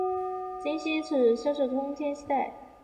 金熙宗赐萧肄通天犀带。